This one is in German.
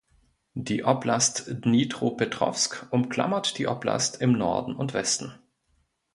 Die Oblast Dnipropetrowsk umklammert die Oblast im Norden und Nordwesten.